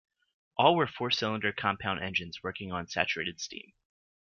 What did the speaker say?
All were four-cylinder compound engines working on saturated steam.